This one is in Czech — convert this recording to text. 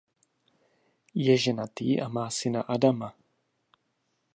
Je ženatý a má syna Adama.